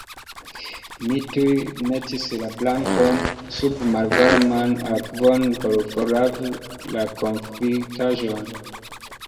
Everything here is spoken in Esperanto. Mi tuj metis la brakon sub malvarman akvon por forlavi la konfitaĵon.